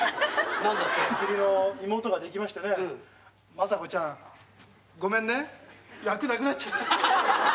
まさこちゃんごめんね役なくなっちゃった。